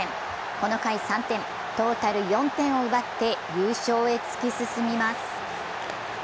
この回３点、トータル４点を奪って優勝へ突き進みます。